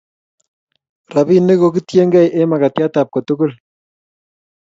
rabinik ko kitiengei eng' mkatiat ab kotugul